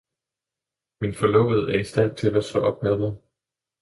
Min forlovede er i stand til at slå op med mig!